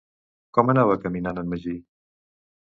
Com anava caminant en Magí?